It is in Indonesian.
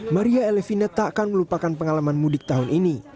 maria elevina tak akan melupakan pengalaman mudik tahun ini